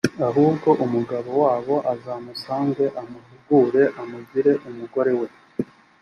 ahubwo umugabo wabo azamusange amuhungure, amugire umugore we.